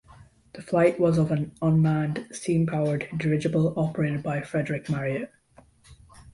The flight was of an unmanned, steam powered dirigible operated by Frederick Marriott.